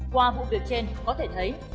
qua vụ việc trên có thể thấy